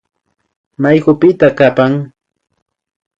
Maykupita kapan